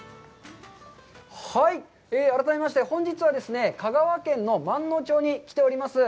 はい、改めまして、本日は香川県のまんのう町に来ております。